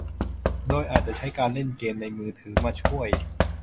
โดยอาจจะใช้การเล่นเกมในมือถือมาช่วย